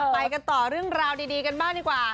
ไปกันต่อเรื่องราวดีกันบ้างดีกว่า